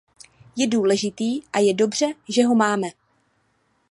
Je důležitý a je dobře, že ho máme.